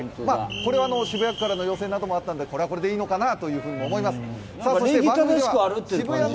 これは渋谷区からの要請などもあったのでこれはこれでいいのかなと思います。